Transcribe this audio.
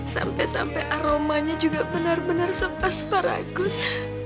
sampai sampai aromanya juga benar benar sob asparagus